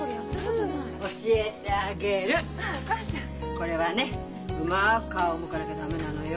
これはねうまく皮をむかなきゃ駄目なのよ。